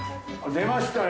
出ましたよ。